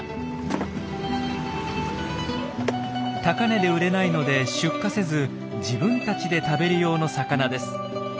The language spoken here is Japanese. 高値で売れないので出荷せず自分たちで食べる用の魚です。